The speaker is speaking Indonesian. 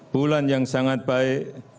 bulan yang sangat baik